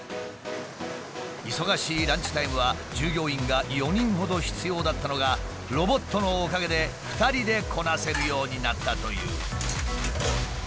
忙しいランチタイムは従業員が４人ほど必要だったのがロボットのおかげで２人でこなせるようになったという。